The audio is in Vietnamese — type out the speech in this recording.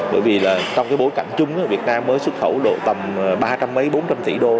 bởi vì là trong cái bối cảnh chung việt nam mới xuất khẩu độ tầm ba trăm linh mấy bốn trăm linh tỷ đô